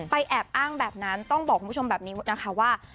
แอบอ้างแบบนั้นต้องบอกคุณผู้ชมแบบนี้นะคะว่า